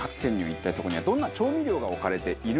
一体そこにはどんな調味料が置かれているのか？